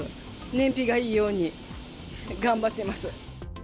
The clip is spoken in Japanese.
燃費がいいように、頑張ってます。